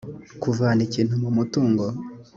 kuvana ikintu mu mutungo